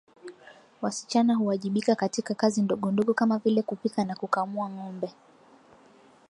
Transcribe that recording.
Wasichana huwajibika katika kazi ndogondogo kama vile kupika na kukamua ngombe